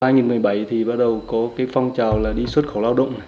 năm hai nghìn một mươi bảy thì bắt đầu có cái phong trào là đi xuất khẩu lao động